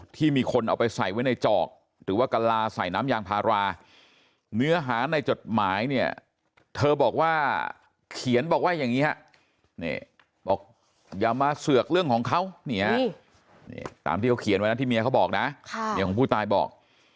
ที่เมียเขาบอกนะเมียของผู้ตายบอก